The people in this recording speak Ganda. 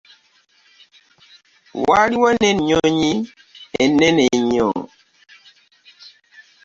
Waliwo ne nnyonyi ennene ennyo.